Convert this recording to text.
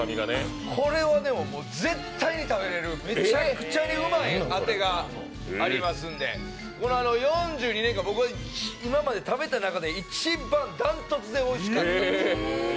これは絶対に食べれる、めちゃくちゃにうまいアテがありますので、４２年間、僕が食べた中で一番断トツでおいしかったです。